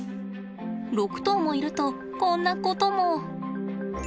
６頭もいるとこんなことも。